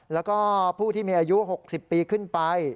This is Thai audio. แล้วก็ผู้ที่มีอายุ๖๐ปีขึ้นไป